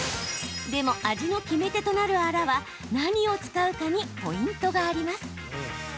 でも、味の決め手となるあらは何を使うかにポイントがあります。